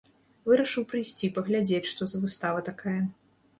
Вырашыў прыйсці, паглядзець, што за выстава такая.